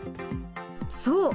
そう！